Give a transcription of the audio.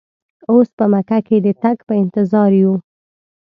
اوس په مکه کې د تګ په انتظار یو.